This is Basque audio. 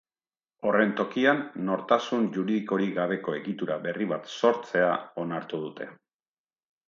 Horren tokian, nortasun juridikorik gabeko egitura berri bat sortzea onartu dute.